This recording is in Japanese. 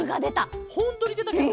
ほんとにでたケロ？